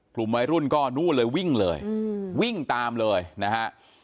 กลุ่มวัยรุ่นก็นู่นเลยวิ่งเลยวิ่งตามเลยนะฮะ